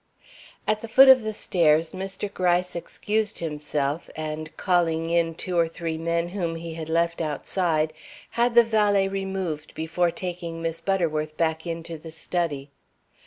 At the foot of the stairs, Mr. Gryce excused himself, and calling in two or three men whom he had left outside, had the valet removed before taking Miss Butterworth back into the study.